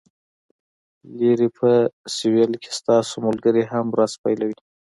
لرې په سویل کې ستاسو ملګري هم ورځ پیلوي